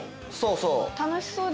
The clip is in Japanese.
そうそう。